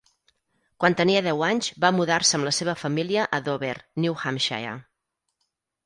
Quan tenia deu anys, va mudar-se amb la seva família a Dover, New Hampshire.